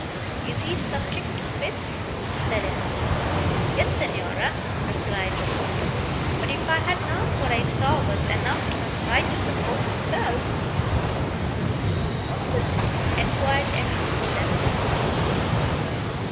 "Is he subject to fits?" said Emily. "Yes, Signora," replied Roberto; "but if I had not, what I saw was enough to have frightened the Pope himself." "What was it?" enquired Emily, trembling.